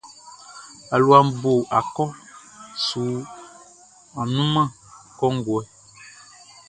Aluaʼn bo akpɔʼn su annunman kɔnguɛ.